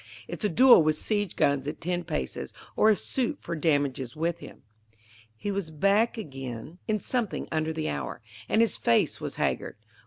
It's a duel with siege guns at ten paces, or a suit for damages with him." He was back again in something under the hour, and his face was haggard.